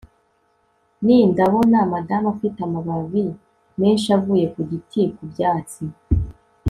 ni. ndabona madamu afite amababi menshi avuye ku giti ku byatsi